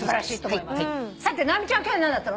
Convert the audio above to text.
さて直美ちゃん去年何だったの？